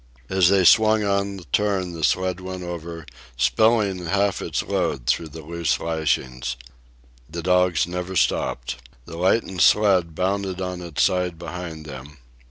As they swung on the turn the sled went over, spilling half its load through the loose lashings. The dogs never stopped. The lightened sled bounded on its side behind them.